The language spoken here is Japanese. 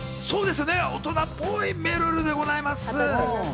そうですよね、大人っぽいめるるでございます。